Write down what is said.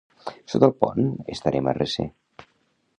Sota el pont estarem a recer